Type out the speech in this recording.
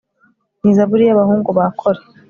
ni zaburi y'abahungu ba kore